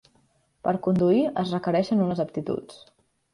Per conduir es requereixen unes aptituds.